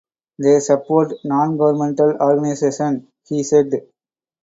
They support nongovernmental organizations, he said.